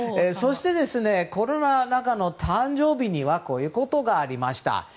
そして、コロナ禍の誕生日にはこういうことがありました。